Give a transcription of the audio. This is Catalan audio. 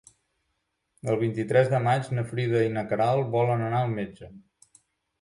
El vint-i-tres de maig na Frida i na Queralt volen anar al metge.